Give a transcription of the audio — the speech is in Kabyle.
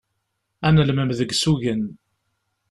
Ad nelmem deg usugen.